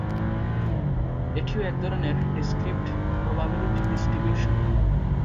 এটিও একধরণের discrete probability distribution.